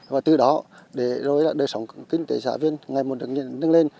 và từ đó để rồi là đời sống kinh tế xã viên ngày một được nâng lên